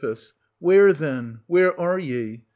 Where, then, where are ye?